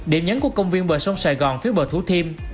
điểm nhấn của công viên bờ sông sài gòn phía bờ thú thiêm